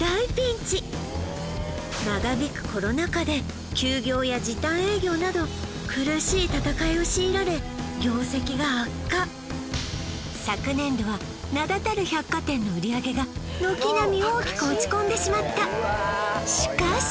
今長引くコロナ禍で休業や時短営業など苦しい戦いを強いられ業績が悪化昨年度は名だたる百貨店の売り上げが軒並み大きく落ち込んでしまったしかし！